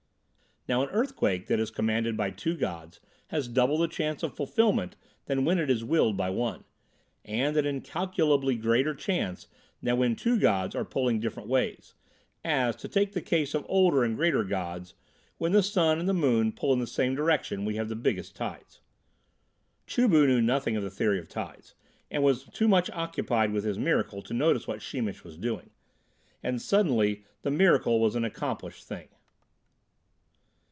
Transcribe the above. Now an earthquake that is commanded by two gods has double the chance of fulfilment than when it is willed by one, and an incalculably greater chance than when two gods are pulling different ways; as, to take the case of older and greater gods, when the sun and the moon pull in the same direction we have the biggest tides. Chu bu knew nothing of the theory of tides, and was too much occupied with his miracle to notice what Sheemish was doing. And suddenly the miracle was an accomplished thing.